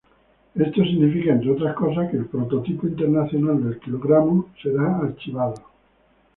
Esto significa, entre otras cosas, que el prototipo internacional del kilogramo será archivado.